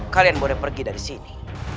kalian boleh pergi dari sini